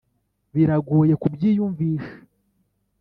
biragoye kubyiyumvisha,